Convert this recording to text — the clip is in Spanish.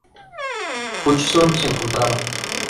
Hutchinson se encontraba.